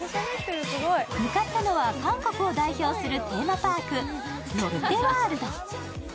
向かったのは韓国を代表するテーマパーク、ロッテワールド。